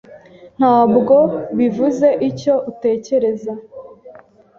Ntabwo bivuze icyo utekereza.